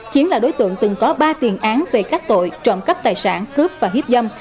chiến là đối tượng từng có ba tiền án về các tội trộm cắp tài sản cướp và hiếp dâm